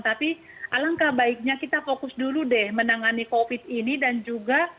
tapi alangkah baiknya kita fokus dulu deh menangani covid ini dan juga